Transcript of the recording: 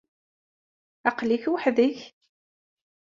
Aql-ik weḥd-k?